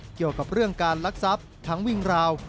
เกี่ยวกับเรื่องการลักทรัพย์ทั้งวิ่งราว